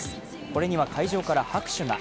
これには会場から拍手が。